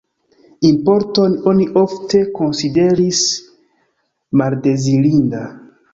Importon oni ofte konsideris maldezirinda.